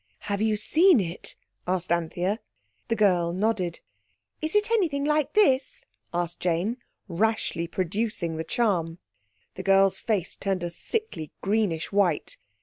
"Have you seen it?" asked Anthea. The girl nodded. "Is it anything like this?" asked Jane, rashly producing the charm. The girl's face turned a sickly greenish white.